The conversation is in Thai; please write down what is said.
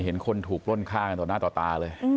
เห็นคนถูกปล้นฆ่ากันต่อหน้าต่อตาเลย